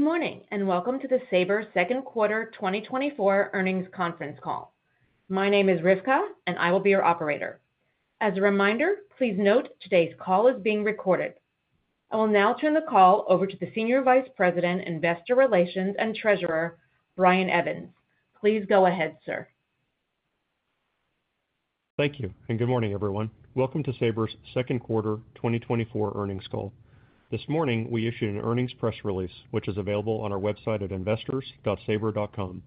Good morning, and welcome to the Sabre Second Quarter 2024 Earnings Conference Call. My name is Rivka, and I will be your operator. As a reminder, please note today's call is being recorded. I will now turn the call over to the Senior Vice President, Investor Relations and Treasurer, Brian Evans. Please go ahead, sir. Thank you, and good morning, everyone. Welcome to Sabre's second quarter 2024 earnings call. This morning, we issued an earnings press release, which is available on our website at investors.sabre.com.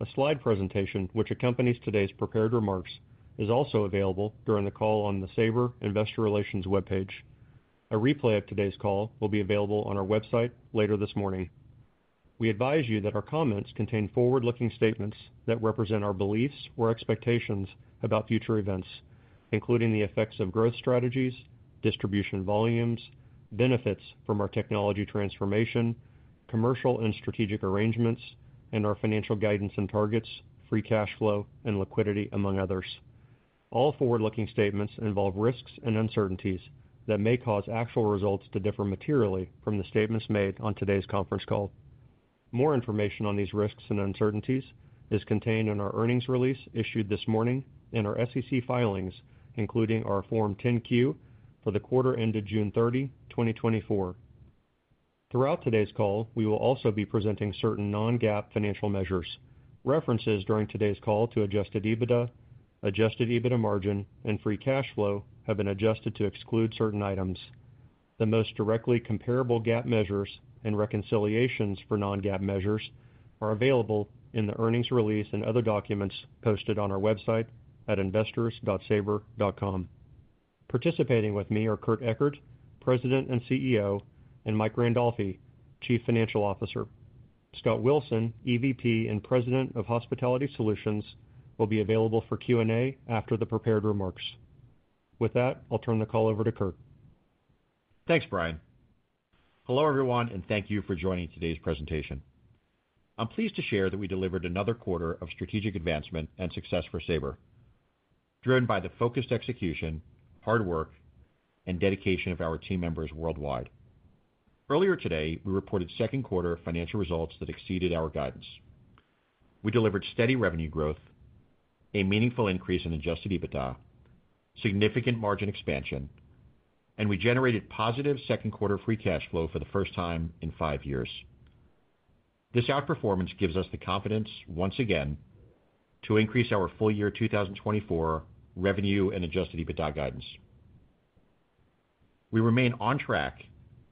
A slide presentation, which accompanies today's prepared remarks, is also available during the call on the Sabre Investor Relations webpage. A replay of today's call will be available on our website later this morning. We advise you that our comments contain forward-looking statements that represent our beliefs or expectations about future events, including the effects of growth strategies, distribution volumes, benefits from our technology transformation, commercial and strategic arrangements, and our financial guidance and targets, free cash flow, and liquidity, among others. All forward-looking statements involve risks and uncertainties that may cause actual results to differ materially from the statements made on today's conference call. More information on these risks and uncertainties is contained in our earnings release issued this morning and our SEC filings, including our Form 10-Q for the quarter ended June 30, 2024. Throughout today's call, we will also be presenting certain non-GAAP financial measures. References during today's call to Adjusted EBITDA, Adjusted EBITDA margin, and free cash flow have been adjusted to exclude certain items. The most directly comparable GAAP measures and reconciliations for non-GAAP measures are available in the earnings release and other documents posted on our website at investors.sabre.com. Participating with me are Kurt Ekert, President and CEO, and Mike Randolfi, Chief Financial Officer. Scott Wilson, EVP and President of Hospitality Solutions, will be available for Q&A after the prepared remarks. With that, I'll turn the call over to Kurt. Thanks, Brian. Hello, everyone, and thank you for joining today's presentation. I'm pleased to share that we delivered another quarter of strategic advancement and success for Sabre, driven by the focused execution, hard work, and dedication of our team members worldwide. Earlier today, we reported second quarter financial results that exceeded our guidance. We delivered steady revenue growth, a meaningful increase in Adjusted EBITDA, significant margin expansion, and we generated positive second quarter free cash flow for the first time in 5 years. This outperformance gives us the confidence, once again, to increase our full year 2024 revenue and Adjusted EBITDA guidance. We remain on track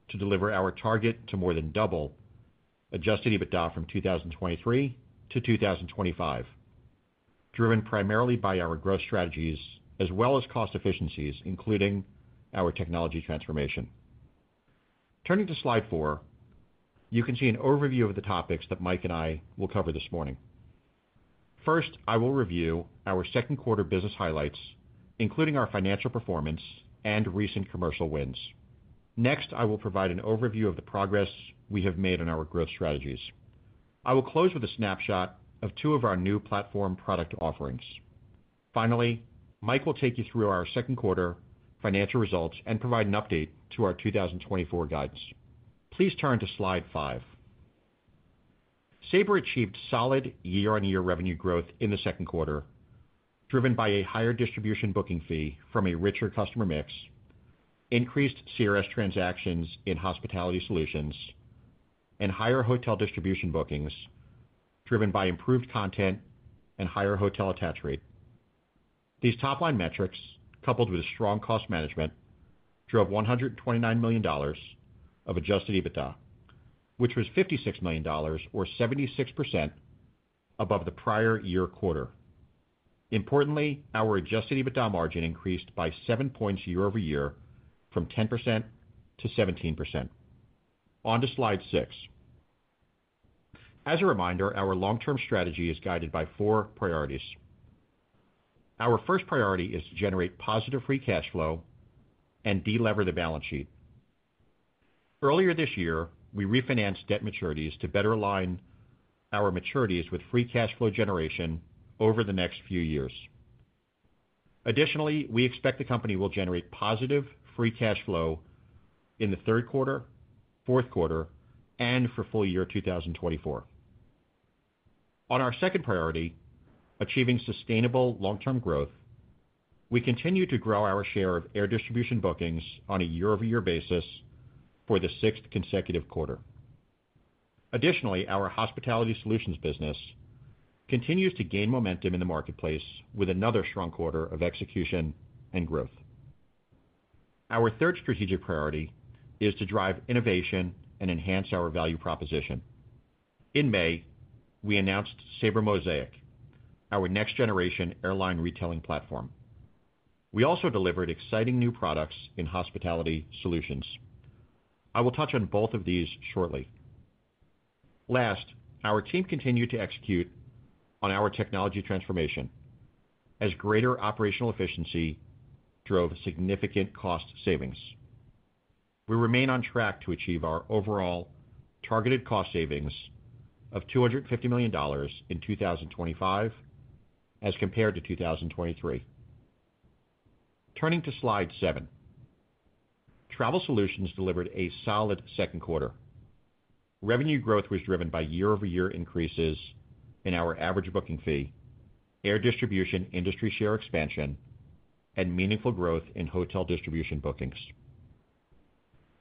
to deliver our target to more than double Adjusted EBITDA from 2023 to 2025, driven primarily by our growth strategies, as well as cost efficiencies, including our technology transformation. Turning to slide 4, you can see an overview of the topics that Mike and I will cover this morning. First, I will review our second quarter business highlights, including our financial performance and recent commercial wins. Next, I will provide an overview of the progress we have made on our growth strategies. I will close with a snapshot of two of our new platform product offerings. Finally, Mike will take you through our second quarter financial results and provide an update to our 2024 guidance. Please turn to slide 5. Sabre achieved solid year-on-year revenue growth in the second quarter, driven by a higher distribution booking fee from a richer customer mix, increased CRS transactions in Hospitality Solutions, and higher hotel distribution bookings, driven by improved content and higher hotel attach rate. These top-line metrics, coupled with strong cost management, drove $129 million of Adjusted EBITDA, which was $56 million or 76% above the prior year quarter. Importantly, our Adjusted EBITDA margin increased by 7 points year-over-year, from 10% to 17%. On to slide 6. As a reminder, our long-term strategy is guided by 4 priorities. Our first priority is to generate positive free cash flow and delever the balance sheet. Earlier this year, we refinanced debt maturities to better align our maturities with free cash flow generation over the next few years. Additionally, we expect the company will generate positive free cash flow in the third quarter, fourth quarter, and for full year 2024. On our second priority, achieving sustainable long-term growth, we continue to grow our share of air distribution bookings on a year-over-year basis for the sixth consecutive quarter. Additionally, our hospitality solutions business continues to gain momentum in the marketplace with another strong quarter of execution and growth. Our third strategic priority is to drive innovation and enhance our value proposition. In May, we announced Sabre Mosaic, our next-generation airline retailing platform. We also delivered exciting new products in hospitality solutions. I will touch on both of these shortly. Last, our team continued to execute on our technology transformation as greater operational efficiency drove significant cost savings. We remain on track to achieve our overall targeted cost savings of $250 million in 2025 as compared to 2023. Turning to slide 7. Travel Solutions delivered a solid second quarter. Revenue growth was driven by year-over-year increases in our average booking fee, air distribution, industry share expansion, and meaningful growth in hotel distribution bookings.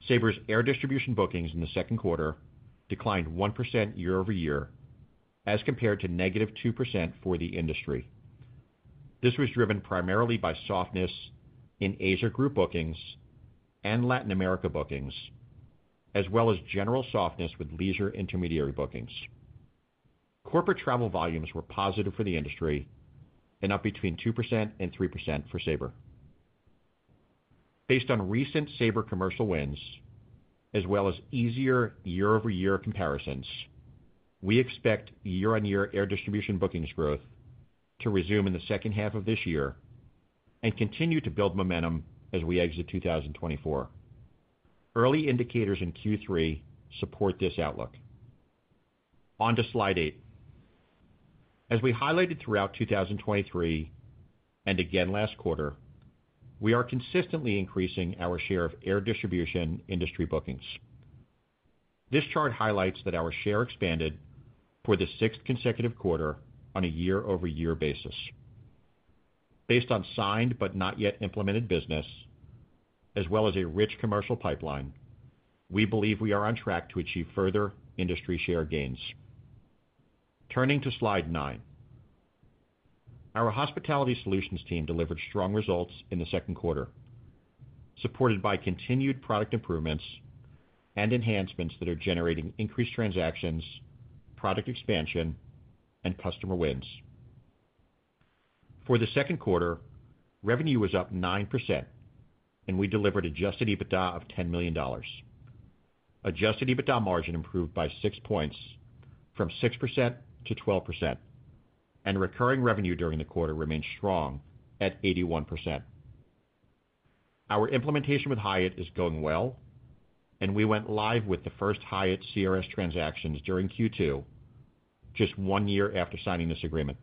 Sabre's air distribution bookings in the second quarter declined 1% year-over-year, as compared to -2% for the industry. This was driven primarily by softness in Asia group bookings and Latin America bookings, as well as general softness with leisure intermediary bookings. Corporate travel volumes were positive for the industry and up between 2% and 3% for Sabre. Based on recent Sabre commercial wins, as well as easier year-over-year comparisons, we expect year-over-year air distribution bookings growth to resume in the second half of this year and continue to build momentum as we exit 2024. Early indicators in Q3 support this outlook. On to Slide 8. As we highlighted throughout 2023, and again last quarter, we are consistently increasing our share of air distribution industry bookings. This chart highlights that our share expanded for the sixth consecutive quarter on a year-over-year basis. Based on signed, but not yet implemented business, as well as a rich commercial pipeline, we believe we are on track to achieve further industry share gains. Turning to Slide 9. Our Hospitality Solutions team delivered strong results in the second quarter, supported by continued product improvements and enhancements that are generating increased transactions, product expansion, and customer wins. For the second quarter, revenue was up 9%, and we delivered Adjusted EBITDA of $10 million. Adjusted EBITDA margin improved by 6 points from 6% to 12%, and recurring revenue during the quarter remained strong at 81%. Our implementation with Hyatt is going well, and we went live with the first Hyatt CRS transactions during Q2, just one year after signing this agreement.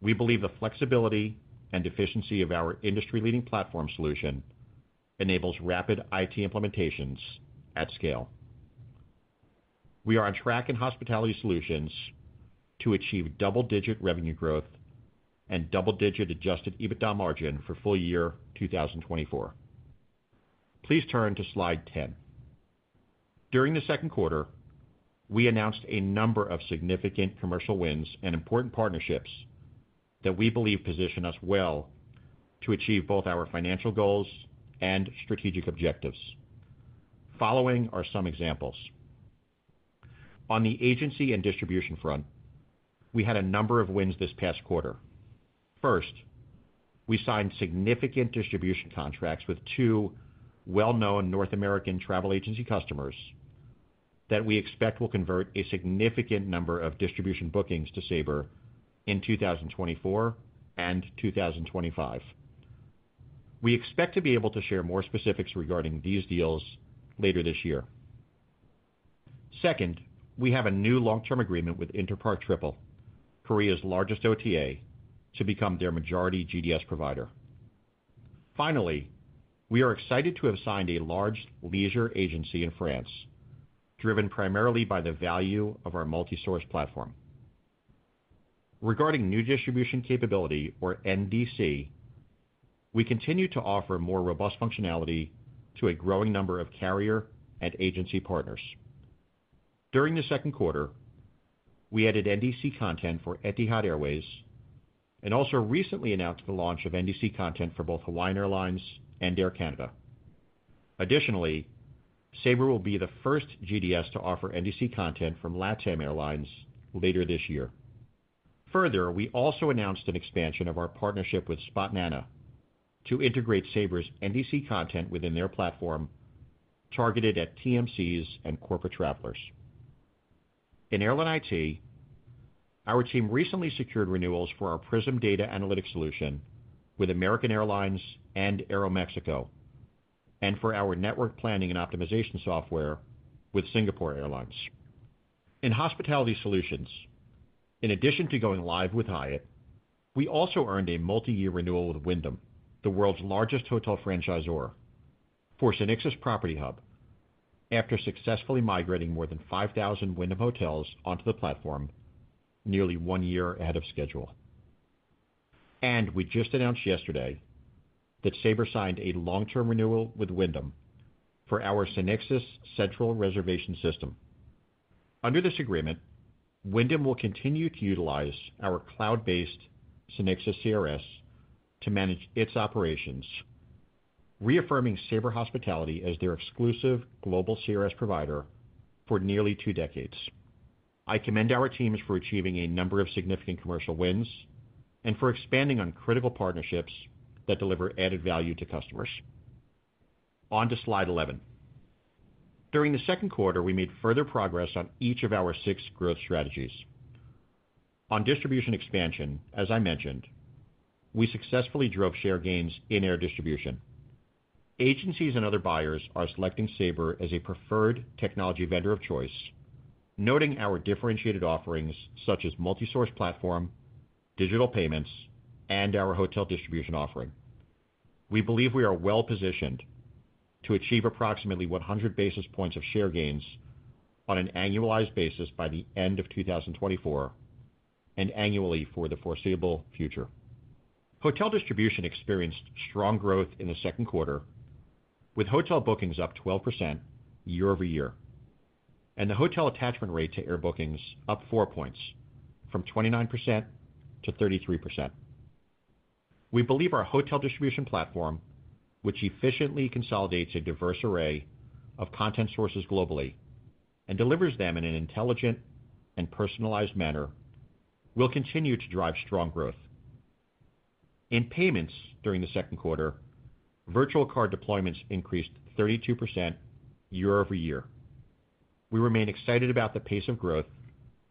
We believe the flexibility and efficiency of our industry-leading platform solution enables rapid IT implementations at scale. We are on track in Hospitality Solutions to achieve double-digit revenue growth and double-digit Adjusted EBITDA margin for full year 2024. Please turn to slide 10. During the second quarter, we announced a number of significant commercial wins and important partnerships that we believe position us well to achieve both our financial goals and strategic objectives. Following are some examples. On the agency and distribution front, we had a number of wins this past quarter. First, we signed significant distribution contracts with two well-known North American travel agency customers that we expect will convert a significant number of distribution bookings to Sabre in 2024 and 2025. We expect to be able to share more specifics regarding these deals later this year. Second, we have a new long-term agreement with InterparkTriple, Korea's largest OTA, to become their majority GDS provider. Finally, we are excited to have signed a large leisure agency in France, driven primarily by the value of our multi-source platform. Regarding New Distribution Capability, or NDC, we continue to offer more robust functionality to a growing number of carrier and agency partners. During the second quarter, we added NDC content for Etihad Airways and also recently announced the launch of NDC content for both Hawaiian Airlines and Air Canada. Additionally, Sabre will be the first GDS to offer NDC content from LATAM Airlines later this year. Further, we also announced an expansion of our partnership with Spotnana to integrate Sabre's NDC content within their platform, targeted at TMCs and corporate travelers. In Airline IT, our team recently secured renewals for our Prism data analytics solution with American Airlines and Aeromexico, and for our network planning and optimization software with Singapore Airlines. In Hospitality Solutions, in addition to going live with Hyatt, we also earned a multi-year renewal with Wyndham, the world's largest hotel franchisor, for SynXis Property Hub, after successfully migrating more than 5,000 Wyndham hotels onto the platform nearly one year ahead of schedule. We just announced yesterday that Sabre signed a long-term renewal with Wyndham for our SynXis Central Reservation System. Under this agreement, Wyndham will continue to utilize our cloud-based SynXis CRS to manage its operations, reaffirming Sabre Hospitality as their exclusive global CRS provider for nearly two decades. I commend our teams for achieving a number of significant commercial wins and for expanding on critical partnerships that deliver added value to customers. On to Slide 11. During the second quarter, we made further progress on each of our 6 growth strategies. On distribution expansion, as I mentioned, we successfully drove share gains in air distribution.... Agencies and other buyers are selecting Sabre as a preferred technology vendor of choice, noting our differentiated offerings such as multi-source platform, digital payments, and our hotel distribution offering. We believe we are well-positioned to achieve approximately 100 basis points of share gains on an annualized basis by the end of 2024, and annually for the foreseeable future. Hotel distribution experienced strong growth in the second quarter, with hotel bookings up 12% year-over-year, and the hotel attachment rate to air bookings up four points from 29% to 33%. We believe our hotel distribution platform, which efficiently consolidates a diverse array of content sources globally and delivers them in an intelligent and personalized manner, will continue to drive strong growth. In payments during the second quarter, virtual card deployments increased 32% year-over-year. We remain excited about the pace of growth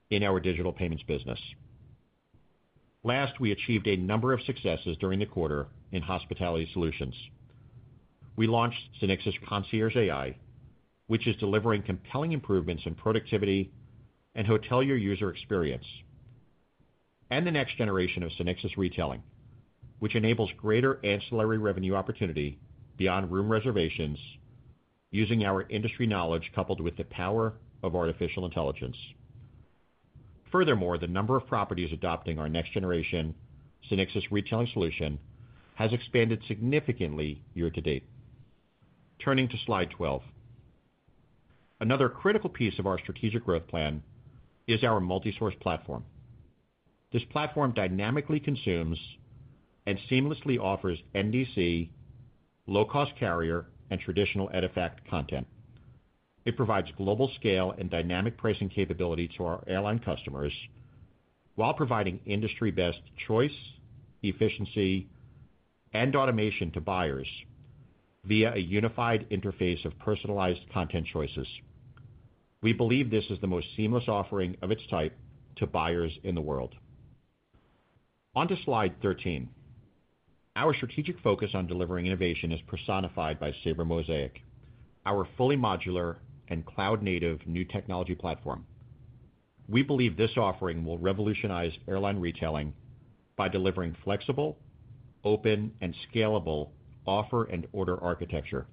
in our digital payments business. Last, we achieved a number of successes during the quarter in hospitality solutions. We launched SynXis Concierge AI, which is delivering compelling improvements in productivity and hotelier user experience, and the next generation of SynXis Retailing, which enables greater ancillary revenue opportunity beyond room reservations, using our industry knowledge, coupled with the power of artificial intelligence. Furthermore, the number of properties adopting our next generation SynXis Retailing solution has expanded significantly year to date. Turning to Slide 12. Another critical piece of our strategic growth plan is our multi-source platform. This platform dynamically consumes and seamlessly offers NDC, low-cost carrier, and traditional EDIFACT content. It provides global scale and dynamic pricing capability to our airline customers, while providing industry-best choice, efficiency, and automation to buyers via a unified interface of personalized content choices. We believe this is the most seamless offering of its type to buyers in the world. On to Slide 13. Our strategic focus on delivering innovation is personified by Sabre Mosaic, our fully modular and cloud-native new technology platform. We believe this offering will revolutionize airline retailing by delivering flexible, open, and scalable offer and order architecture.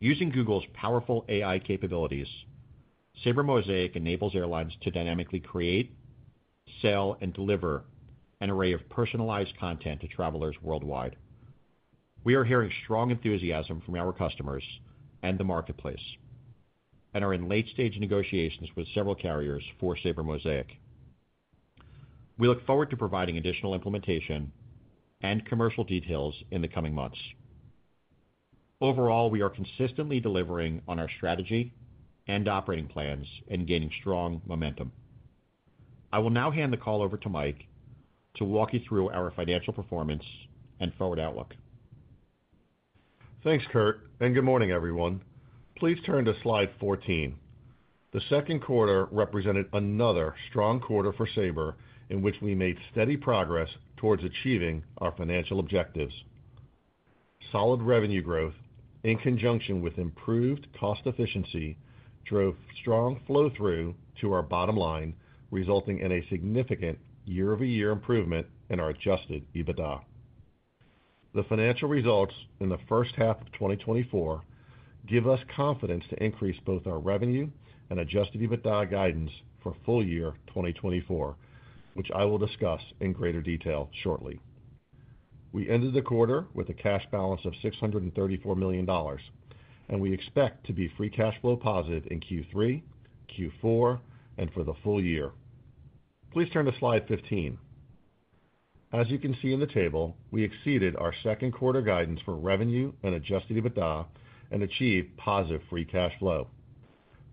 Using Google's powerful AI capabilities, Sabre Mosaic enables airlines to dynamically create, sell, and deliver an array of personalized content to travelers worldwide. We are hearing strong enthusiasm from our customers and the marketplace and are in late-stage negotiations with several carriers for Sabre Mosaic. We look forward to providing additional implementation and commercial details in the coming months. Overall, we are consistently delivering on our strategy and operating plans and gaining strong momentum. I will now hand the call over to Mike to walk you through our financial performance and forward outlook. Thanks, Kurt, and good morning, everyone. Please turn to Slide 14. The second quarter represented another strong quarter for Sabre, in which we made steady progress towards achieving our financial objectives. Solid revenue growth, in conjunction with improved cost efficiency, drove strong flow-through to our bottom line, resulting in a significant year-over-year improvement in our Adjusted EBITDA. The financial results in the first half of 2024 give us confidence to increase both our revenue and Adjusted EBITDA guidance for full year 2024, which I will discuss in greater detail shortly. We ended the quarter with a cash balance of $634 million, and we expect to be free cash flow positive in Q3, Q4, and for the full year. Please turn to Slide 15. As you can see in the table, we exceeded our second quarter guidance for revenue and adjusted EBITDA and achieved positive free cash flow.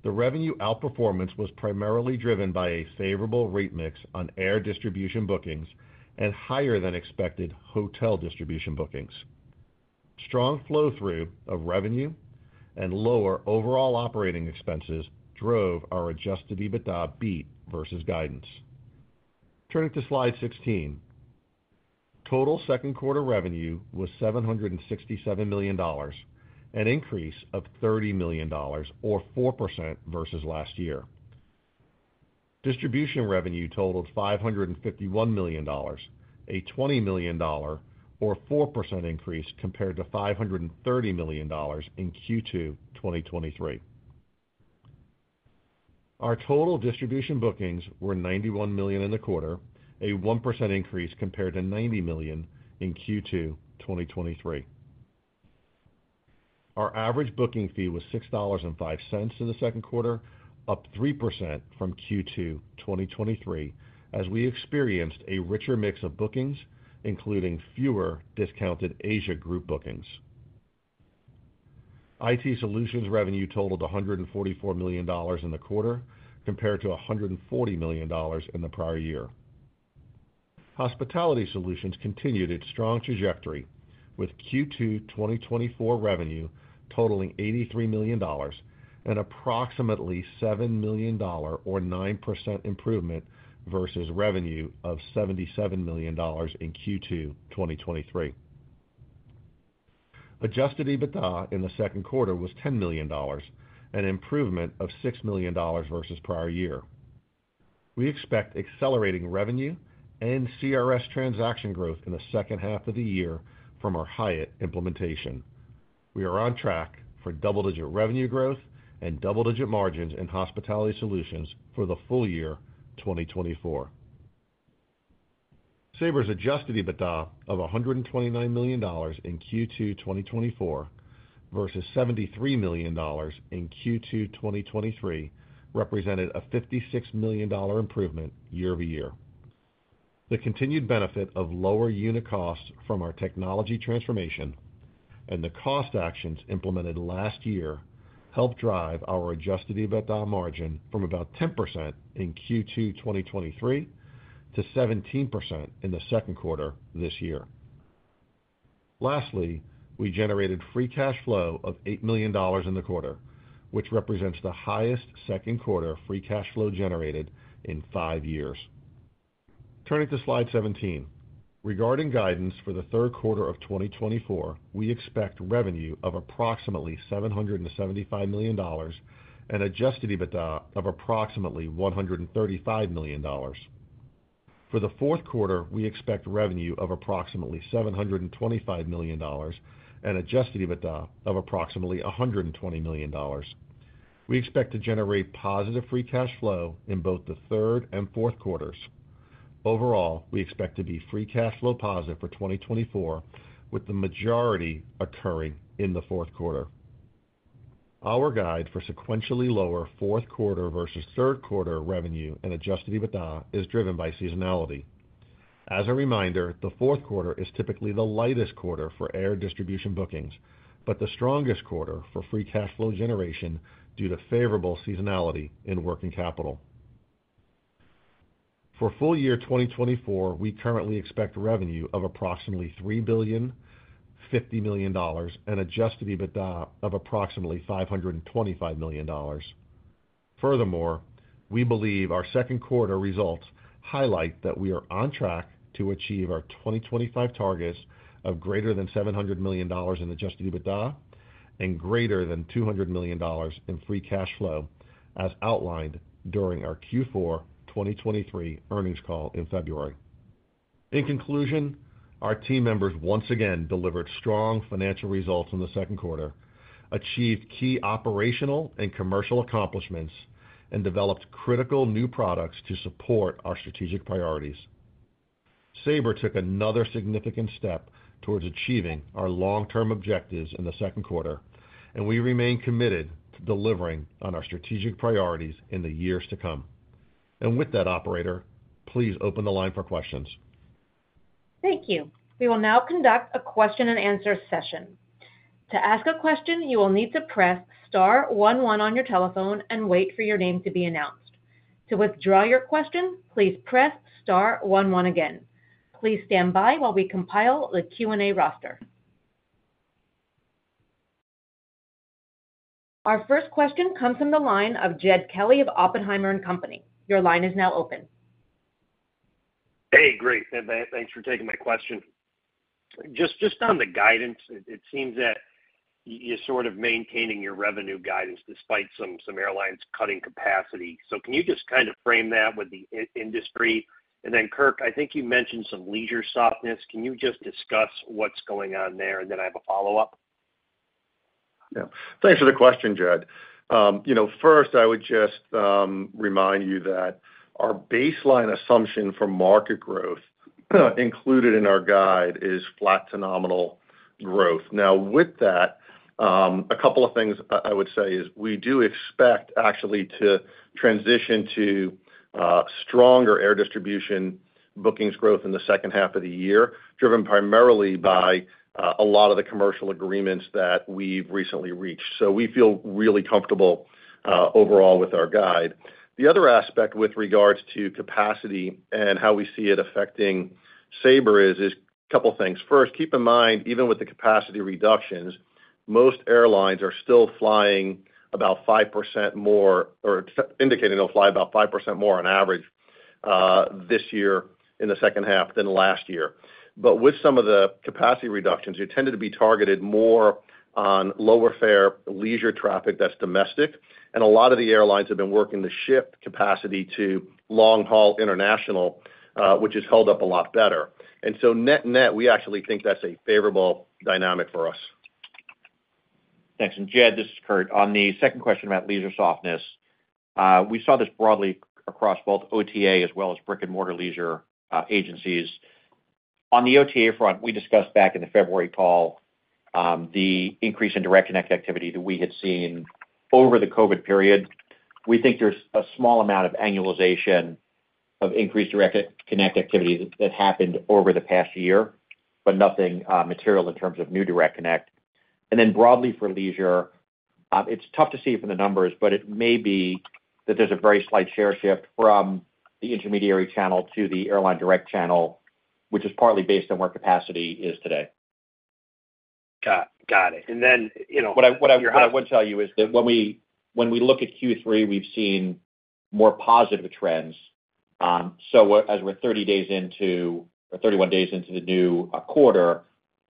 The revenue outperformance was primarily driven by a favorable rate mix on air distribution bookings and higher than expected hotel distribution bookings. Strong flow-through of revenue and lower overall operating expenses drove our adjusted EBITDA beat versus guidance. Turning to Slide 16. Total second quarter revenue was $767 million, an increase of $30 million or 4% versus last year. Distribution revenue totaled $551 million, a $20 million or 4% increase compared to $530 million in Q2 2023. Our total distribution bookings were 91 million in the quarter, a 1% increase compared to 90 million in Q2 2023. Our average booking fee was $6.05 in the second quarter, up 3% from Q2 2023, as we experienced a richer mix of bookings, including fewer discounted Asia group bookings. IT solutions revenue totaled $144 million in the quarter, compared to $140 million in the prior year. Hospitality Solutions continued its strong trajectory, with Q2 2024 revenue totaling $83 million, an approximately $7 million or 9% improvement versus revenue of $77 million in Q2 2023. Adjusted EBITDA in the second quarter was $10 million, an improvement of $6 million versus prior year. We expect accelerating revenue and CRS transaction growth in the second half of the year from our Hyatt implementation. We are on track for double-digit revenue growth and double-digit margins in hospitality solutions for the full year 2024. Sabre's adjusted EBITDA of $129 million in Q2 2024 versus $73 million in Q2 2023, represented a $56 million improvement year over year. The continued benefit of lower unit costs from our technology transformation and the cost actions implemented last year, helped drive our adjusted EBITDA margin from about 10% in Q2 2023 to 17% in the second quarter this year. Lastly, we generated free cash flow of $8 million in the quarter, which represents the highest second quarter free cash flow generated in five years. Turning to Slide 17. Regarding guidance for the third quarter of 2024, we expect revenue of approximately $775 million and adjusted EBITDA of approximately $135 million. For the fourth quarter, we expect revenue of approximately $725 million and Adjusted EBITDA of approximately $120 million. We expect to generate positive free cash flow in both the third and fourth quarters. Overall, we expect to be free cash flow positive for 2024, with the majority occurring in the fourth quarter. Our guide for sequentially lower fourth quarter versus third quarter revenue and Adjusted EBITDA is driven by seasonality. As a reminder, the fourth quarter is typically the lightest quarter for air distribution bookings, but the strongest quarter for free cash flow generation due to favorable seasonality in working capital. For full year 2024, we currently expect revenue of approximately $3.05 billion and Adjusted EBITDA of approximately $525 million. Furthermore, we believe our second quarter results highlight that we are on track to achieve our 2025 targets of greater than $700 million in Adjusted EBITDA, and greater than $200 million in free cash flow, as outlined during our Q4 2023 earnings call in February. In conclusion, our team members once again delivered strong financial results in the second quarter, achieved key operational and commercial accomplishments, and developed critical new products to support our strategic priorities. Sabre took another significant step towards achieving our long-term objectives in the second quarter, and we remain committed to delivering on our strategic priorities in the years to come. With that, operator, please open the line for questions. Thank you. We will now conduct a question-and-answer session. To ask a question, you will need to press star one one on your telephone and wait for your name to be announced. To withdraw your question, please press star one one again. Please stand by while we compile the Q&A roster. Our first question comes from the line of Jed Kelly of Oppenheimer and Company. Your line is now open. Hey, great. Thanks for taking my question. Just on the guidance, it seems that you're sort of maintaining your revenue guidance despite some airlines cutting capacity. So can you just kind of frame that with the industry? And then, Kurt, I think you mentioned some leisure softness. Can you just discuss what's going on there? And then I have a follow-up. Yeah. Thanks for the question, Jed. You know, first, I would just remind you that our baseline assumption for market growth, included in our guide, is flat to nominal growth. Now, with that, a couple of things I would say is, we do expect actually to transition to stronger air distribution bookings growth in the second half of the year, driven primarily by a lot of the commercial agreements that we've recently reached. So we feel really comfortable overall with our guide. The other aspect with regards to capacity and how we see it affecting Sabre is a couple things. First, keep in mind, even with the capacity reductions, most airlines are still flying about 5% more or except indicating they'll fly about 5% more on average this year in the second half than last year. But with some of the capacity reductions, they tended to be targeted more on lower fare, leisure traffic that's domestic, and a lot of the airlines have been working to shift capacity to long-haul international, which has held up a lot better. And so net-net, we actually think that's a favorable dynamic for us. Thanks. And Jed, this is Kurt. On the second question about leisure softness, we saw this broadly across both OTA as well as brick-and-mortar leisure agencies. On the OTA front, we discussed back in the February call the increase in direct connect activity that we had seen over the COVID period. We think there's a small amount of annualization of increased direct connect activity that happened over the past year, but nothing material in terms of new direct connect. And then broadly for leisure, it's tough to see from the numbers, but it may be that there's a very slight share shift from the intermediary channel to the airline direct channel, which is partly based on where capacity is today. Got it. And then, you know, your- What I would tell you is that when we look at Q3, we've seen more positive trends. So what, as we're 30 days into, or 31 days into the new quarter,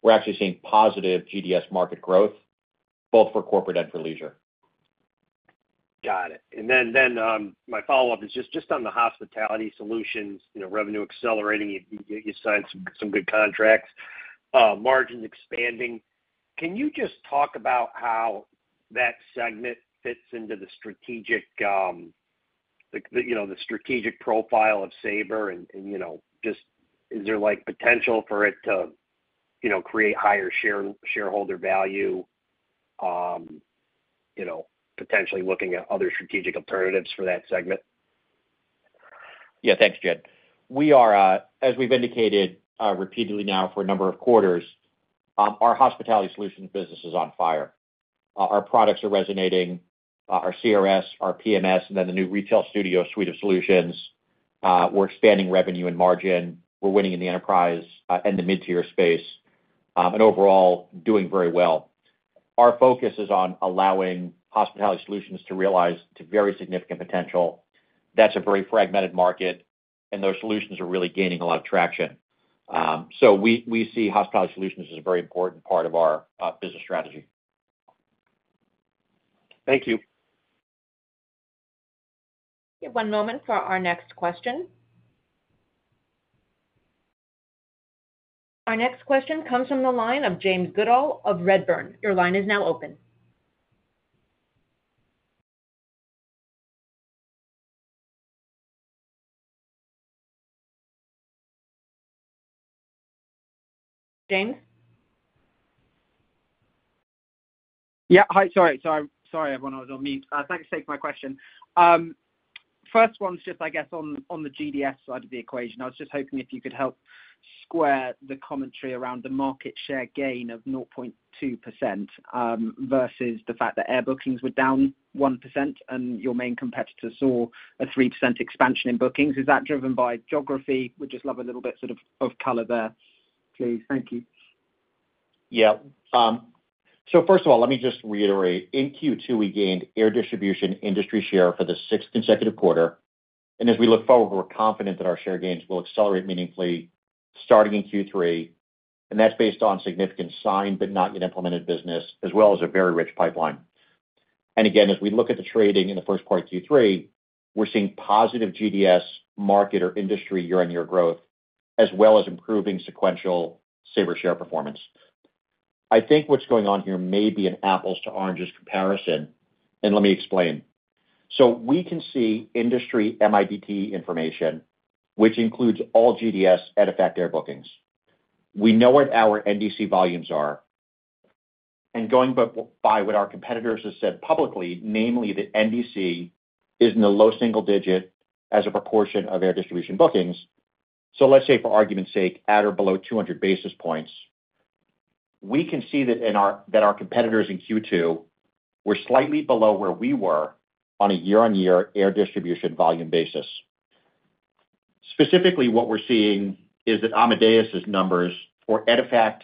we're actually seeing positive GDS market growth, both for corporate and for leisure. Got it. And then, my follow-up is just on the Hospitality Solutions, you know, revenue accelerating, you signed some good contracts, margins expanding. Can you just talk about how that segment fits into the strategic, you know, the strategic profile of Sabre and, you know, just is there, like, potential for it to, you know, create higher shareholder value, you know, potentially looking at other strategic alternatives for that segment? Yeah, thanks, Jed. We are, as we've indicated, repeatedly now for a number of quarters, our hospitality solutions business is on fire. Our products are resonating, our CRS, our PMS, and then the new Retail Studio suite of solutions. We're expanding revenue and margin. We're winning in the enterprise, and the mid-tier space, and overall, doing very well. Our focus is on allowing hospitality solutions to realize to very significant potential. That's a very fragmented market, and those solutions are really gaining a lot of traction. So we see hospitality solutions as a very important part of our business strategy. Thank you. One moment for our next question. Our next question comes from the line of James Goodall of Redburn. Your line is now open. James? Yeah. Hi, sorry, sorry, sorry, everyone, I was on mute. Thanks for taking my question. First one's just, I guess, on, on the GDS side of the equation. I was just hoping if you could help square the commentary around the market share gain of 0.2%, versus the fact that air bookings were down 1% and your main competitor saw a 3% expansion in bookings. Is that driven by geography? Would just love a little bit sort of, of color there, please. Thank you. Yeah. So first of all, let me just reiterate, in Q2, we gained air distribution industry share for the sixth consecutive quarter, and as we look forward, we're confident that our share gains will accelerate meaningfully starting in Q3, and that's based on significant signed but not yet implemented business, as well as a very rich pipeline. And again, as we look at the trading in the first part of Q3, we're seeing positive GDS market or industry year-on-year growth, as well as improving sequential Sabre share performance. I think what's going on here may be an apples to oranges comparison, and let me explain. So we can see industry MIDT information, which includes all GDS in effect air bookings. We know what our NDC volumes are, and going by what our competitors have said publicly, namely that NDC is in the low single digit as a proportion of air distribution bookings. So let's say, for argument's sake, at or below 200 basis points, we can see that our competitors in Q2 were slightly below where we were on a year-on-year air distribution volume basis. Specifically, what we're seeing is that Amadeus' numbers for EDIFACT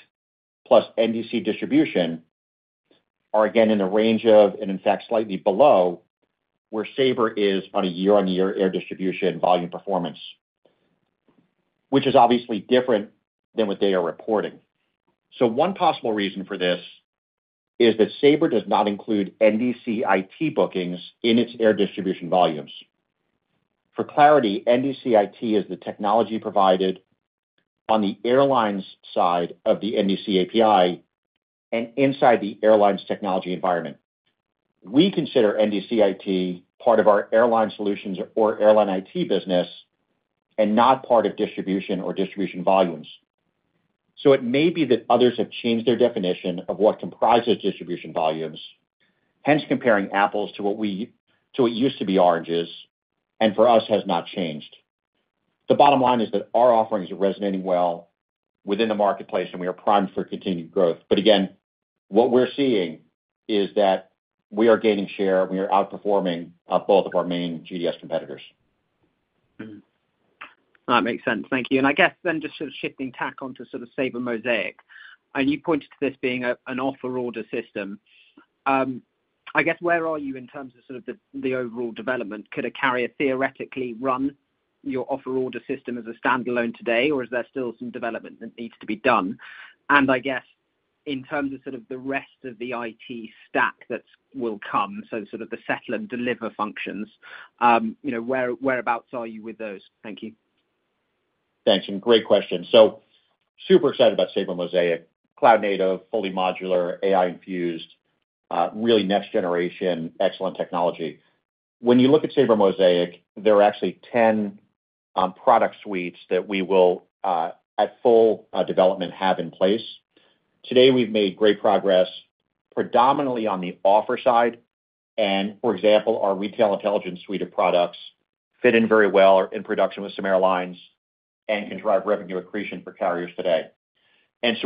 plus NDC distribution are again in the range of, and in fact, slightly below, where Sabre is on a year-on-year air distribution volume performance, which is obviously different than what they are reporting. So one possible reason for this is that Sabre does not include NDC IT bookings in its air distribution volumes. For clarity, NDC IT is the technology provided on the airlines side of the NDC API and inside the airlines technology environment. We consider NDC IT part of our airline solutions or airline IT business and not part of distribution or distribution volumes. So it may be that others have changed their definition of what comprises distribution volumes, hence comparing apples to what used to be oranges, and for us, has not changed. The bottom line is that our offerings are resonating well within the marketplace, and we are primed for continued growth. But again, what we're seeing is that we are gaining share, and we are outperforming both of our main GDS competitors. Mm-hmm. That makes sense. Thank you. And I guess then just sort of shifting tack onto sort of Sabre Mosaic, and you pointed to this being an offer order system. I guess, where are you in terms of sort of the, the overall development? Could a carrier theoretically run your offer order system as a standalone today, or is there still some development that needs to be done? And I guess, in terms of sort of the rest of the IT stack that will come, so sort of the settle and deliver functions, you know, whereabouts are you with those? Thank you. Thanks, and great question. So super excited about Sabre Mosaic, cloud-native, fully modular, AI-infused, really next generation, excellent technology. When you look at Sabre Mosaic, there are actually 10 product suites that we will, at full development, have in place. Today, we've made great progress, predominantly on the offer side, and for example, our retail intelligence suite of products fit in very well, are in production with some airlines and can drive revenue accretion for carriers today. And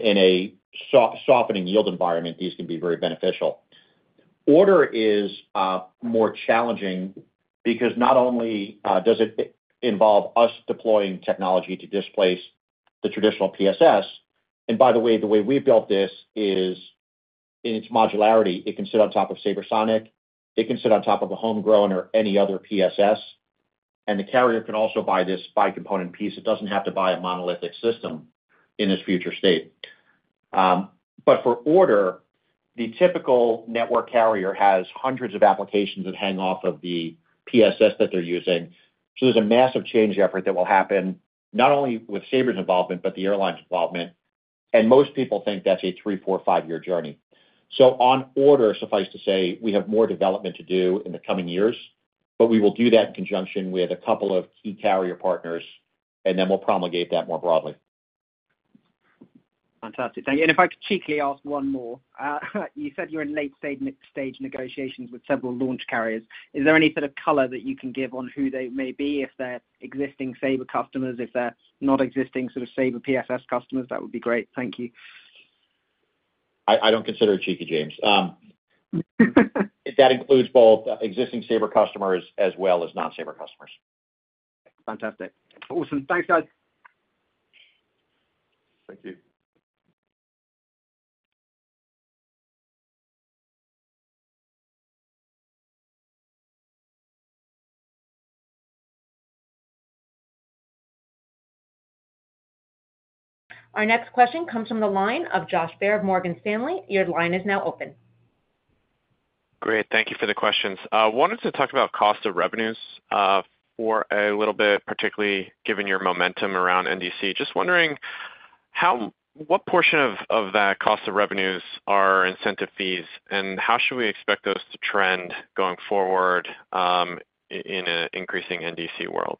in a softening yield environment, these can be very beneficial.... Order is more challenging because not only does it involve us deploying technology to displace the traditional PSS, and by the way, the way we've built this is in its modularity. It can sit on top of SabreSonic, it can sit on top of a homegrown or any other PSS, and the carrier can also buy this by component piece. It doesn't have to buy a monolithic system in its future state. But for order, the typical network carrier has hundreds of applications that hang off of the PSS that they're using. So there's a massive change effort that will happen, not only with Sabre's involvement, but the airline's involvement, and most people think that's a 3, 4, 5-year journey. offer and order, suffice to say, we have more development to do in the coming years, but we will do that in conjunction with a couple of key carrier partners, and then we'll promulgate that more broadly. Fantastic. Thank you. And if I could cheekily ask one more. You said you're in late stage negotiations with several launch carriers. Is there any sort of color that you can give on who they may be, if they're existing Sabre customers, if they're not existing sort of Sabre PSS customers? That would be great. Thank you. I don't consider it cheeky, James. That includes both existing Sabre customers as well as non-Sabre customers. Fantastic. Awesome. Thanks, guys. Thank you. Our next question comes from the line of Josh Baer of Morgan Stanley. Your line is now open. Great, thank you for the questions. Wanted to talk about cost of revenues for a little bit, particularly given your momentum around NDC. Just wondering, what portion of that cost of revenues are incentive fees, and how should we expect those to trend going forward, in an increasing NDC world?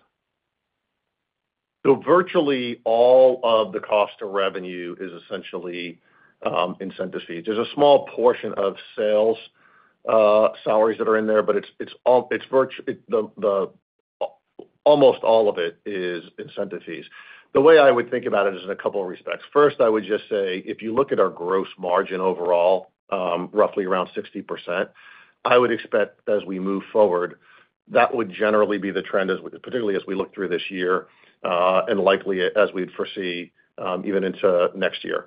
So virtually all of the cost of revenue is essentially, incentive fees. There's a small portion of sales, salaries that are in there, but it's, it's all—it's virt- it—the, the, almost all of it is incentive fees. The way I would think about it is in a couple of respects. First, I would just say, if you look at our gross margin overall, roughly around 60%, I would expect as we move forward, that would generally be the trend as, particularly as we look through this year, and likely a- as we'd foresee, even into next year.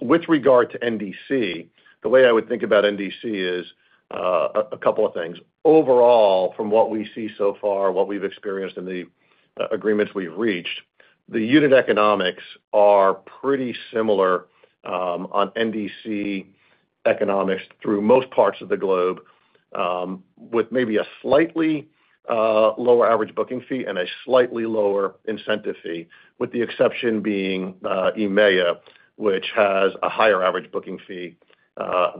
With regard to NDC, the way I would think about NDC is, a, a couple of things. Overall, from what we see so far, what we've experienced in the agreements we've reached, the unit economics are pretty similar, on NDC economics through most parts of the globe, with maybe a slightly lower average booking fee and a slightly lower incentive fee, with the exception being EMEA, which has a higher average booking fee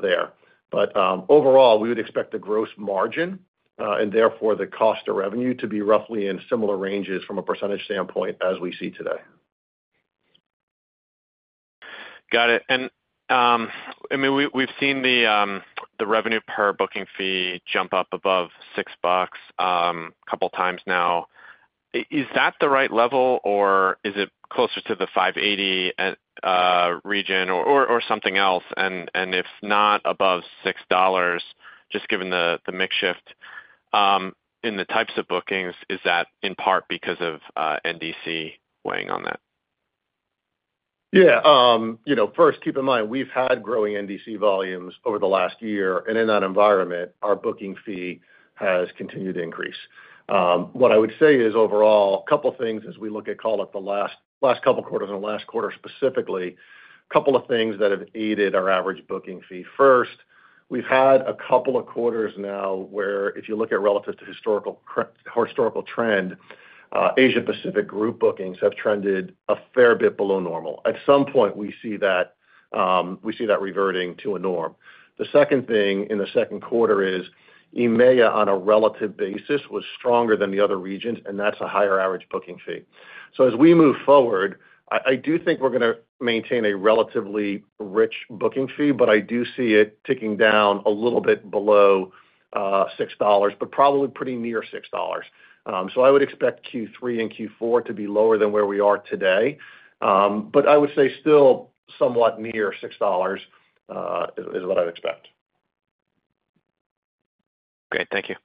there. But overall, we would expect the gross margin and therefore the cost of revenue to be roughly in similar ranges from a percentage standpoint as we see today. Got it. And I mean, we've seen the revenue per booking fee jump up above $6 a couple times now. Is that the right level, or is it closer to the $5.80 region or something else? And if not above $6, just given the mix shift in the types of bookings, is that in part because of NDC weighing on that? Yeah, you know, first, keep in mind, we've had growing NDC volumes over the last year, and in that environment, our booking fee has continued to increase. What I would say is overall, a couple things as we look at call it the last, last couple quarters and the last quarter specifically, couple of things that have aided our average booking fee. First, we've had a couple of quarters now where if you look at relative to historical historical trend, Asia Pacific group bookings have trended a fair bit below normal. At some point, we see that, we see that reverting to a norm. The second thing in the second quarter is EMEA, on a relative basis, was stronger than the other regions, and that's a higher average booking fee. So as we move forward, I, I do think we're gonna maintain a relatively rich booking fee, but I do see it ticking down a little bit below $6, but probably pretty near $6. So I would expect Q3 and Q4 to be lower than where we are today, but I would say still somewhat near $6 is, is what I'd expect. Great. Thank you.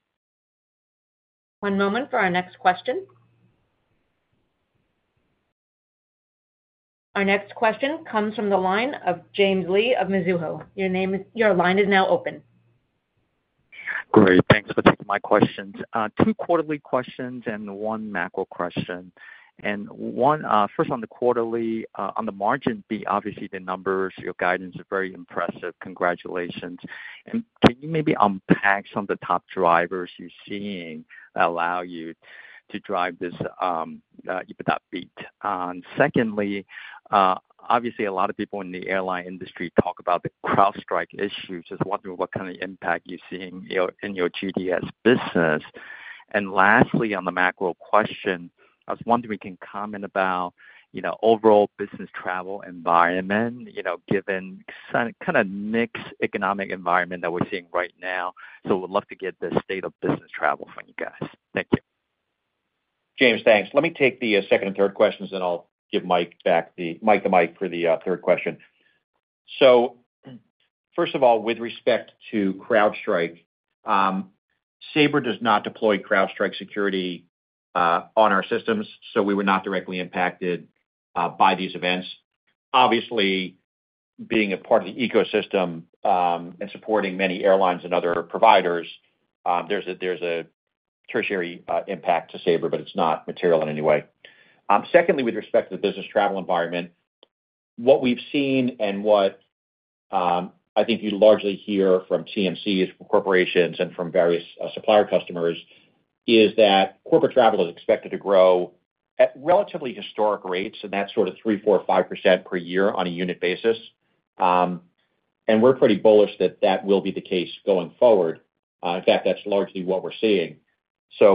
One moment for our next question. Our next question comes from the line of James Lee of Mizuho. Your line is now open. Great. Thanks for taking my questions. Two quarterly questions and one macro question. And one, first on the quarterly, on the margin fee, obviously the numbers, your guidance are very impressive. Congratulations. And can you maybe unpack some of the top drivers you're seeing that allow you to drive this, EBITDA beat? Secondly, obviously a lot of people in the airline industry talk about the CrowdStrike issue. Just wondering what kind of impact you're seeing in your, in your GDS business. And lastly, on the macro question, I was wondering, we can comment about, you know, overall business travel environment, you know, given some kind of mixed economic environment that we're seeing right now. So would love to get the state of business travel from you guys. Thank you. James, thanks. Let me take the second and third questions, then I'll give Mike back the mic for the third question. So first of all, with respect to CrowdStrike, Sabre does not deploy CrowdStrike security on our systems, so we were not directly impacted by these events. Obviously, being a part of the ecosystem and supporting many airlines and other providers, there's a tertiary impact to Sabre, but it's not material in any way. Secondly, with respect to the business travel environment, what we've seen and what I think you largely hear from TMCs, from corporations, and from various supplier customers, is that corporate travel is expected to grow at relatively historic rates, and that's sort of 3, 4, or 5% per year on a unit basis. We're pretty bullish that that will be the case going forward. In fact, that's largely what we're seeing.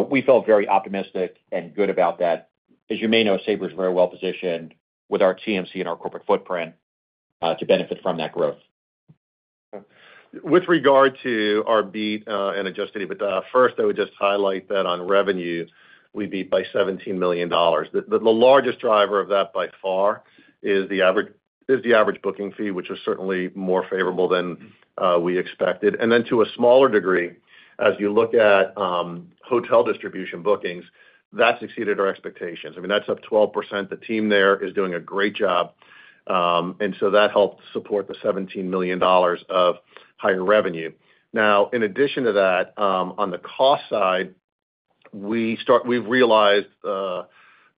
We feel very optimistic and good about that. As you may know, Sabre is very well positioned with our TMC and our corporate footprint to benefit from that growth. With regard to our beat and adjusted EBITDA, first, I would just highlight that on revenue, we beat by $17 million. The largest driver of that by far is the average booking fee, which is certainly more favorable than we expected. And then to a smaller degree, as you look at hotel distribution bookings, that exceeded our expectations. I mean, that's up 12%. The team there is doing a great job, and so that helped support the $17 million of higher revenue. Now, in addition to that, on the cost side, we've realized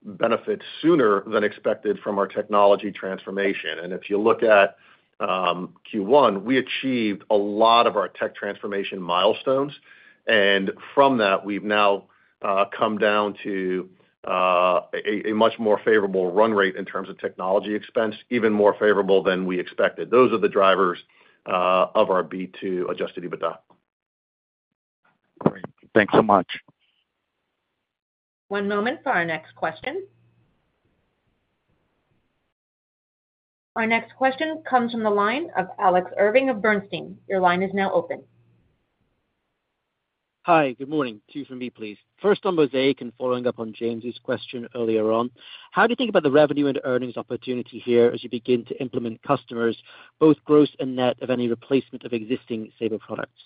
benefits sooner than expected from our technology transformation. If you look at Q1, we achieved a lot of our tech transformation milestones, and from that, we've now come down to a much more favorable run rate in terms of technology expense, even more favorable than we expected. Those are the drivers of our beat to Adjusted EBITDA. Great. Thanks so much. One moment for our next question. Our next question comes from the line of Alex Irving of Bernstein. Your line is now open. Hi, good morning. Two from me, please. First, on Mosaic, and following up on James's question earlier on, how do you think about the revenue and earnings opportunity here as you begin to implement customers, both gross and net of any replacement of existing Sabre products?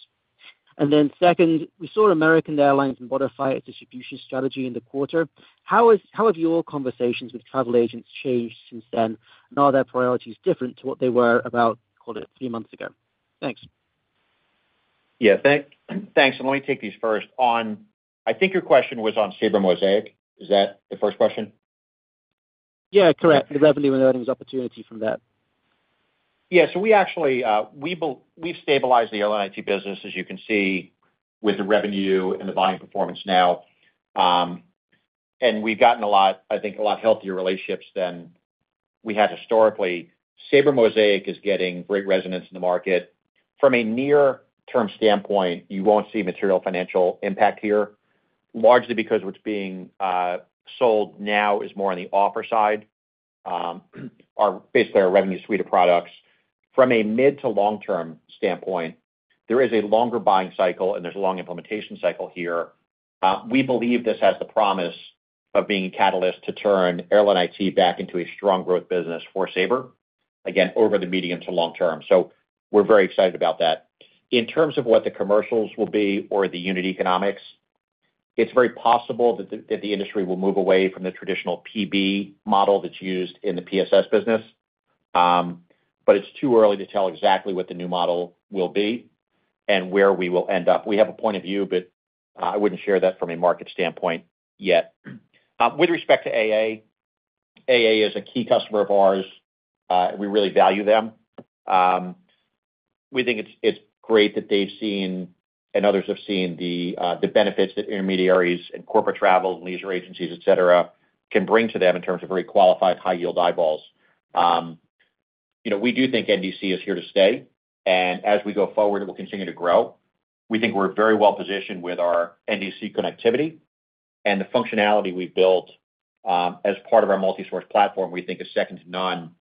And then second, we saw American Airlines modify its distribution strategy in the quarter. How have your conversations with travel agents changed since then? And are their priorities different to what they were about, call it, three months ago? Thanks. Yeah, thanks, and let me take these first. On... I think your question was on Sabre Mosaic. Is that the first question? Yeah, correct. The revenue and earnings opportunity from that. Yeah, so we actually, we've stabilized the Airline IT business, as you can see, with the revenue and the volume performance now. And we've gotten a lot, I think, a lot healthier relationships than we had historically. Sabre Mosaic is getting great resonance in the market. From a near-term standpoint, you won't see material financial impact here, largely because what's being sold now is more on the offer side, basically our revenue suite of products. From a mid to long-term standpoint, there is a longer buying cycle, and there's a long implementation cycle here. We believe this has the promise of being a catalyst to turn Airline IT back into a strong growth business for Sabre, again, over the medium to long term. So we're very excited about that. In terms of what the commercials will be or the unit economics, it's very possible that the industry will move away from the traditional PB model that's used in the PSS business, but it's too early to tell exactly what the new model will be and where we will end up. We have a point of view, but I wouldn't share that from a market standpoint yet. With respect to AA, AA is a key customer of ours. We really value them. We think it's great that they've seen, and others have seen, the benefits that intermediaries and corporate travel, leisure agencies, et cetera, can bring to them in terms of very qualified, high-yield eyeballs. You know, we do think NDC is here to stay, and as we go forward, it will continue to grow. We think we're very well positioned with our NDC connectivity and the functionality we've built, as part of our multi-source platform, we think is second to none.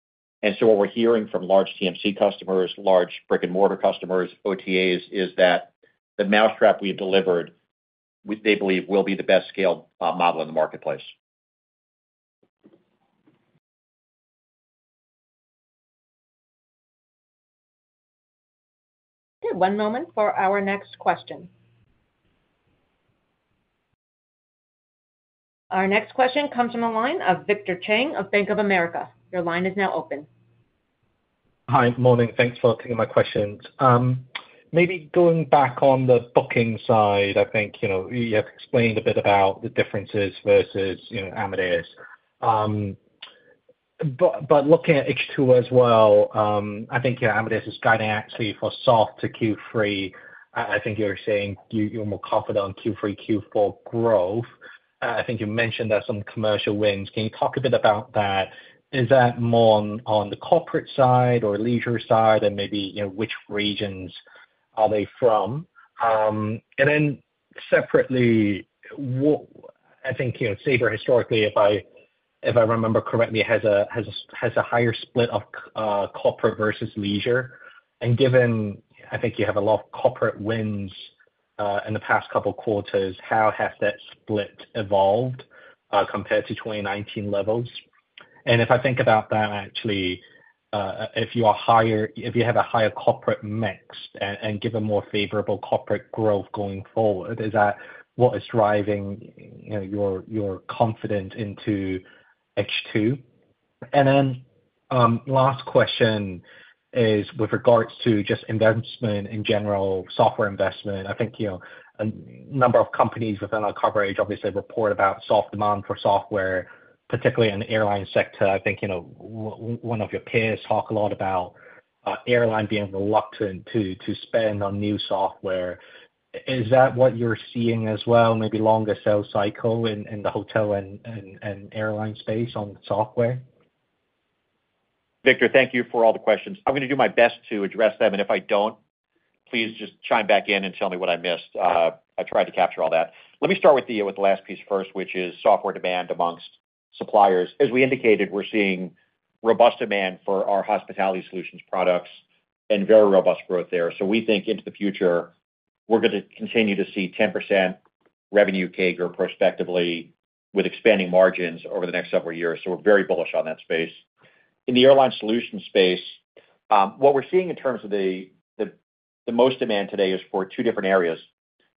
And so what we're hearing from large TMC customers, large brick-and-mortar customers, OTAs, is that the mousetrap we've delivered, they believe will be the best scaled, model in the marketplace. One moment for our next question. Our next question comes from the line of Victor Cheng of Bank of America. Your line is now open. Hi, morning. Thanks for taking my questions. Maybe going back on the booking side, I think, you know, you have explained a bit about the differences versus, you know, Amadeus. But looking at H2 as well, I think, yeah, Amadeus is guiding actually for soft to Q3. I think you're saying you're more confident on Q3, Q4 growth. I think you mentioned there are some commercial wins. Can you talk a bit about that? Is that more on the corporate side or leisure side, and maybe, you know, which regions are they from? And then separately, I think, you know, Sabre historically, if I remember correctly, has a higher split of corporate versus leisure. And given, I think you have a lot of corporate wins in the past couple quarters, how has that split evolved compared to 2019 levels? And if I think about that, actually, if you have a higher corporate mix and give a more favorable corporate growth going forward, is that what is driving, you know, your confidence into H2? And then, last question is with regards to just investment in general, software investment. I think, you know, a number of companies within our coverage obviously report about soft demand for software, particularly in the airline sector. I think, you know, one of your peers talk a lot about airline being reluctant to spend on new software. Is that what you're seeing as well, maybe longer sales cycle in the hotel and airline space on software? Victor, thank you for all the questions. I'm gonna do my best to address them, and if I don't, please just chime back in and tell me what I missed. I tried to capture all that. Let me start with the last piece first, which is software demand among suppliers. As we indicated, we're seeing robust demand for our hospitality solutions products and very robust growth there. So we think into the future, we're going to continue to see 10% revenue CAGR prospectively with expanding margins over the next several years. So we're very bullish on that space. In the airline solution space, what we're seeing in terms of the most demand today is for two different areas.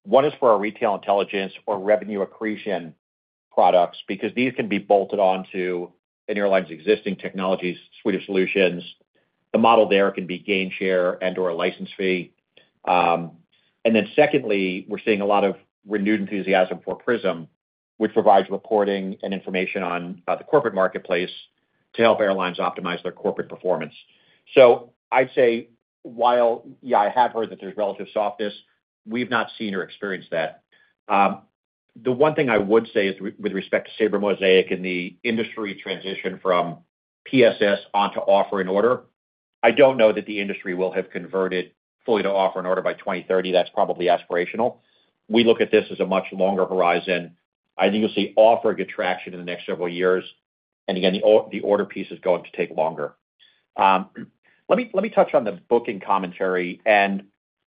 One is for our retail intelligence or revenue accretion products, because these can be bolted onto an airline's existing technologies suite of solutions. The model there can be gain share and/or a license fee. And then secondly, we're seeing a lot of renewed enthusiasm for PRISM, which provides reporting and information on the corporate marketplace to help airlines optimize their corporate performance. So I'd say while... Yeah, I have heard that there's relative softness, we've not seen or experienced that. The one thing I would say is with respect to Sabre Mosaic and the industry transition from PSS onto offer and order, I don't know that the industry will have converted fully to offer and order by 2030. That's probably aspirational. We look at this as a much longer horizon. I think you'll see offer good traction in the next several years, and again, the order piece is going to take longer. Let me, let me touch on the booking commentary, and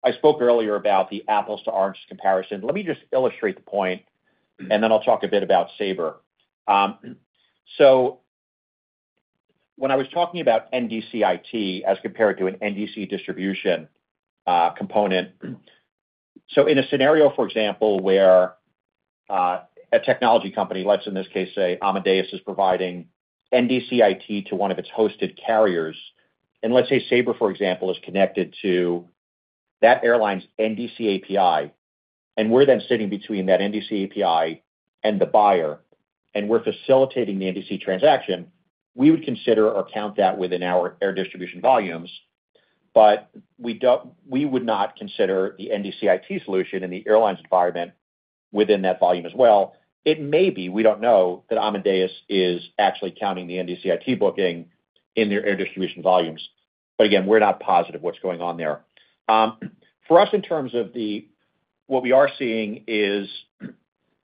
I spoke earlier about the apples to oranges comparison. Let me just illustrate the point, and then I'll talk a bit about Sabre. So when I was talking about NDC IT as compared to an NDC distribution component, so in a scenario, for example, where a technology company, let's in this case say Amadeus, is providing NDC IT to one of its hosted carriers, and let's say Sabre, for example, is connected to that airline's NDC API, and we're then sitting between that NDC API and the buyer, and we're facilitating the NDC transaction, we would consider or count that within our air distribution volumes, but we would not consider the NDC IT solution in the airline's environment within that volume as well. It may be, we don't know, that Amadeus is actually counting the NDC IT booking in their air distribution volumes, but again, we're not positive what's going on there. For us, in terms of the... What we are seeing is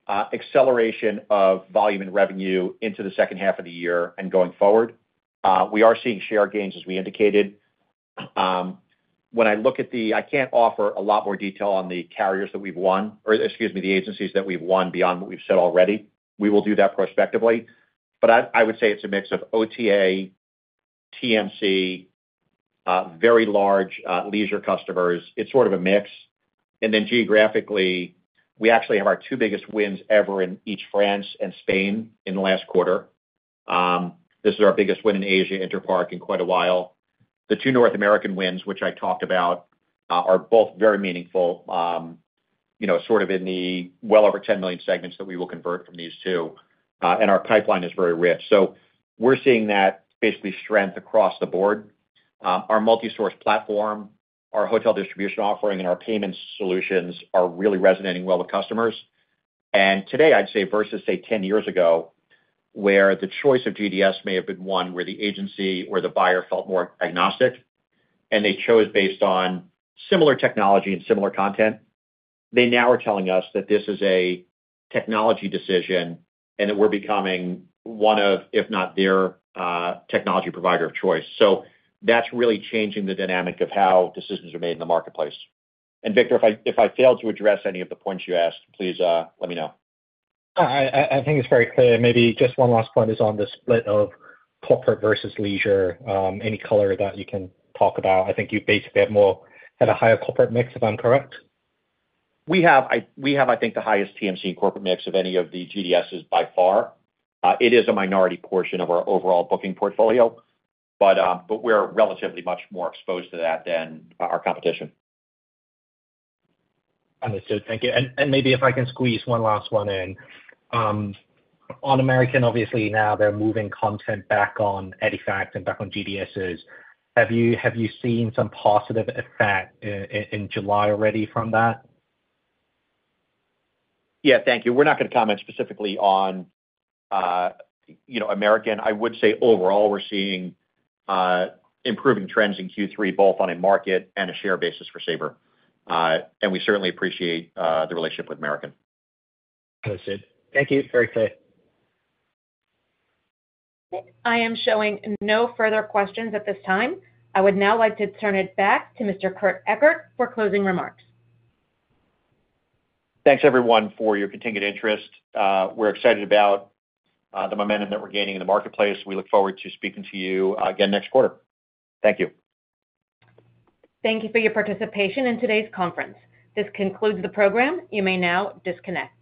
acceleration of volume and revenue into the second half of the year and going forward. We are seeing share gains, as we indicated. When I look at the, I can't offer a lot more detail on the carriers that we've won, or excuse me, the agencies that we've won beyond what we've said already. We will do that prospectively. But I would say it's a mix of OTA, TMC, very large leisure customers. It's sort of a mix. And then geographically, we actually have our two biggest wins ever in each France and Spain in the last quarter. This is our biggest win in Asia, Interpark, in quite a while. The two North American wins, which I talked about, are both very meaningful. You know, sort of in the well over 10 million segments that we will convert from these two, and our pipeline is very rich. So we're seeing that basically strength across the board. Our multi-source platform, our hotel distribution offering, and our payment solutions are really resonating well with customers. And today, I'd say, versus say 10 years ago, where the choice of GDS may have been one where the agency or the buyer felt more agnostic, and they chose based on similar technology and similar content, they now are telling us that this is a technology decision and that we're becoming one of, if not their, technology provider of choice. So that's really changing the dynamic of how decisions are made in the marketplace. And Victor, if I failed to address any of the points you asked, please, let me know. I think it's very clear. Maybe just one last point is on the split of corporate versus leisure. Any color that you can talk about? I think you basically have more, had a higher corporate mix, if I'm correct. We have, I think, the highest TMC corporate mix of any of the GDSs by far. It is a minority portion of our overall booking portfolio, but we're relatively much more exposed to that than our competition. Understood. Thank you. And maybe if I can squeeze one last one in. On American, obviously now they're moving content back on EDIFACT and back on GDSs. Have you seen some positive effect in July already from that? Yeah, thank you. We're not going to comment specifically on, you know, American. I would say overall, we're seeing improving trends in Q3, both on a market and a share basis for Sabre. And we certainly appreciate the relationship with American. Understood. Thank you. Very clear. I am showing no further questions at this time. I would now like to turn it back to Mr. Kurt Ekert for closing remarks. Thanks, everyone, for your continued interest. We're excited about the momentum that we're gaining in the marketplace. We look forward to speaking to you again next quarter. Thank you. Thank you for your participation in today's conference. This concludes the program. You may now disconnect.